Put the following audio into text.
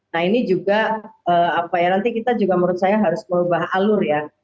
nah ini juga apa ya nanti kita juga menurut saya harus merubah alur ya